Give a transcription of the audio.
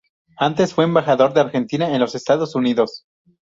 Antes, fue embajador de Argentina en los Estados Unidos.